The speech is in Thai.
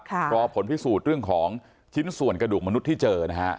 รอผลพิสูจน์เรื่องของชิ้นส่วนกระดูกมนุษย์ที่เจอนะฮะ